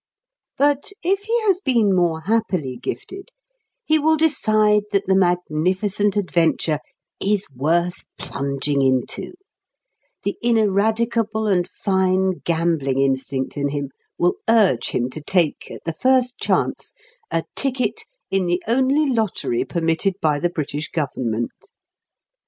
But if he has been more happily gifted he will decide that the magnificent adventure is worth plunging into; the ineradicable and fine gambling instinct in him will urge him to take, at the first chance, a ticket in the only lottery permitted by the British Government.